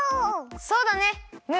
そうだね。